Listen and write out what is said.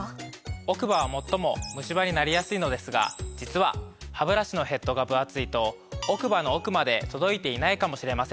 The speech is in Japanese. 奥歯は最もムシ歯になりやすいのですが実はハブラシのヘッドが分厚いと奥歯の奥まで届いていないかもしれません。